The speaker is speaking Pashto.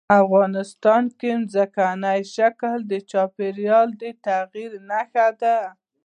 افغانستان کې ځمکنی شکل د چاپېریال د تغیر نښه ده.